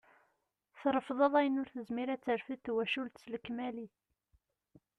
Terfdeḍ ayen ur tezmir ad terfed twacult s lekmal-is.